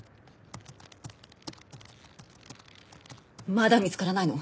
まだ見つからないの？